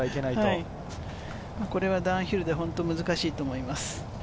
これはダウンヒルで本当に難しいと思います。